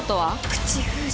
口封じ。